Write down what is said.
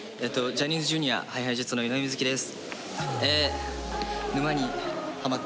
ジャニーズＪｒ．ＨｉＨｉＪｅｔｓの井上瑞稀です。